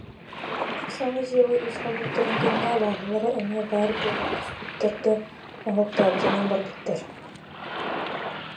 Саҥа дьиэҕэ үс хоммуттарын кэннэ абааһылара эмиэ баар буола түспүттэр да, моһуоктаабытынан барбыттар